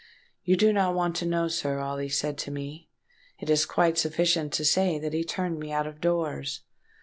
You do not want to know, sir, all he said to me; it is quite sufficient to say that he turned me out of doors.